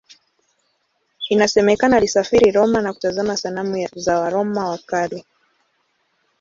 Inasemekana alisafiri Roma na kutazama sanamu za Waroma wa Kale.